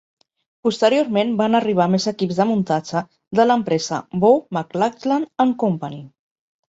Posteriorment van arribar més equips de muntatge de l'empresa Bow, McLachlan and Company.